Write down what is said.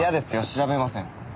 調べません。